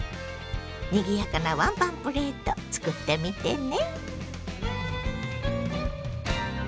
にぎやかなワンパンプレート作ってみてね。